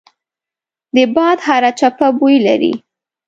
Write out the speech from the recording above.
د باد هره چپه بوی لري